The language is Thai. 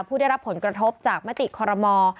ผู้ได้รับผลกระทบจากมติคอรมอ